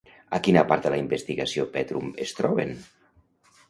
A quina part de la investigació Petrum es troben?